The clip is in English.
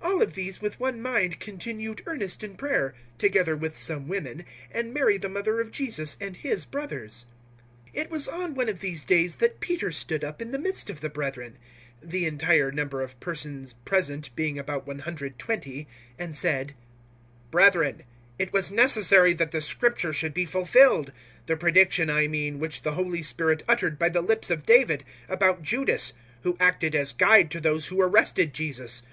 001:014 All of these with one mind continued earnest in prayer, together with some women, and Mary the mother of Jesus, and His brothers. 001:015 It was on one of these days that Peter stood up in the midst of the brethren the entire number of persons present being about 120 and said, 001:016 "Brethren, it was necessary that the Scripture should be fulfilled the prediction, I mean, which the Holy Spirit uttered by the lips of David, about Judas, who acted as guide to those who arrested Jesus.